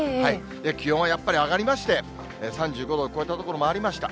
気温はやっぱり上がりまして、３５度を超えた所もありました。